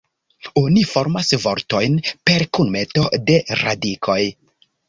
Oni formas vortojn per kunmeto de radikoj.